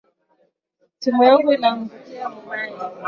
Simu yangu inaangukia mu mayi